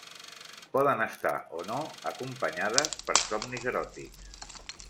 Poden estar, o no, acompanyades per somnis eròtics.